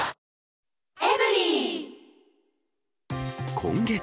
今月。